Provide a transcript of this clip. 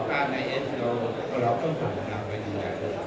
ให้ได้ยืนเลย